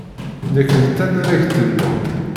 Nekk d tanaragt-nnem.